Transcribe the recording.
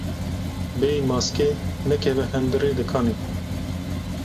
Bêyî maske nekeve hundirê dikanê.